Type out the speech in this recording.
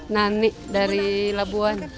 nani dari labuan